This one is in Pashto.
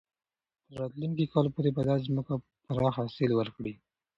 تر راتلونکي کال پورې به دا ځمکه پوره حاصل ورکړي.